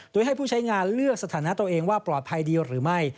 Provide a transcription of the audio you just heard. โดยให้ผู้ใช้งานเลือกสถานะตัวเองว่าปลอดภัยดีหรือไม่